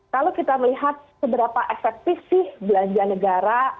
kalau kita melihat seberapa efektif sih belanja negara